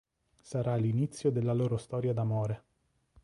Sarà l'inizio della loro storia d'amore.